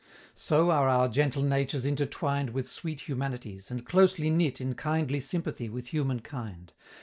"So are our gentle natures intertwined With sweet humanities, and closely knit In kindly sympathy with human kind.